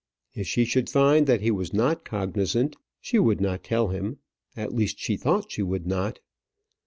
If she should find that he was not cognizant, she would not tell him; at least she thought she would not.